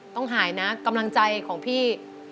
ต้องหายนะกำลังใจของพี่